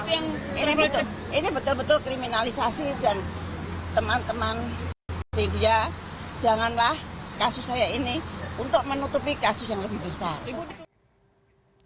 ini betul betul kriminalisasi dan teman teman media janganlah kasus saya ini untuk menutupi kasus yang lebih besar